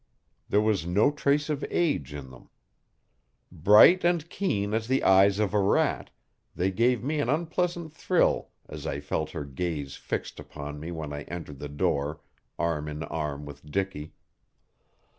There was no trace of age in them. Bright and keen as the eyes of a rat, they gave me an unpleasant thrill as I felt her gaze fixed upon me when I entered the door, arm in arm with Dicky.